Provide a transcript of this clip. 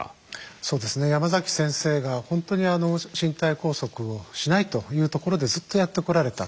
そうですね山崎先生が本当に身体拘束をしないというところでずっとやってこられた。